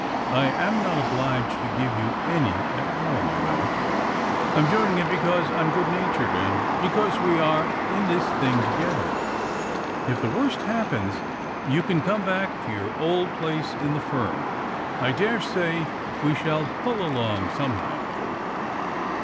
I am not obliged to give you any at all, you know. I am doing it because I am good natured and because we are in this thing together. If the worst happens, you can come back to your old place in the firm. I dare say we shall pull along somehow."